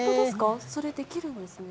それ、できるんですね。